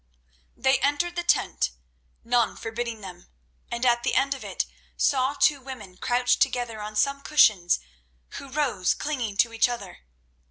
They entered the tent, none forbidding them, and at the end of it saw two women crouched together on some cushions, who rose, clinging to each other.